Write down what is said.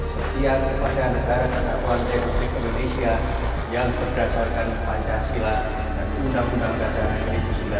sampai jumpa di video selanjutnya